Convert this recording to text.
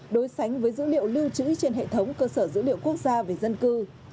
đối sánh với dữ liệu lưu trữ trên hệ thống cơ sở dữ liệu quốc gia về dân cư